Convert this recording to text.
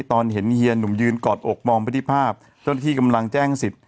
ตอนเห็นเฮียหนุ่มยืนกอดอกมองไปที่ภาพเจ้าหน้าที่กำลังแจ้งสิทธิ